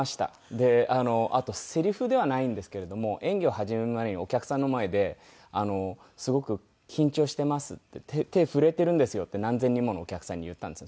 であとセリフではないんですけれども演技を始める前にお客さんの前で「すごく緊張しています」って「手震えているんですよ」って何千人ものお客さんに言ったんですよ。